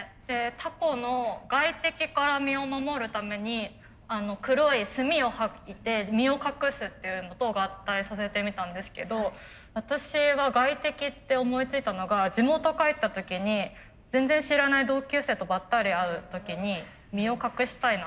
タコの外敵から身を守るために黒い墨を吐いて身を隠すっていうのと合体させてみたんですけど私は外敵って思いついたのが地元帰った時に全然知らない同級生とばったり会う時に身を隠したいなと思ったんですよ。